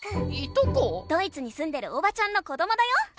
ドイツにすんでるおばちゃんの子どもだよ。